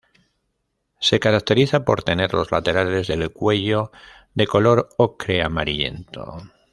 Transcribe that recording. Se caracteriza por tener los laterales del cuello de color ocre amarillento.